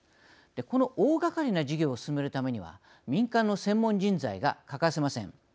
この大がかりな事業を進めるためには民間の専門人材が欠かせません。